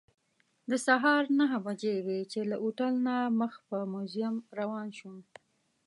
د سهار نهه بجې وې چې له هوټل نه مخ په موزیم روان شوم.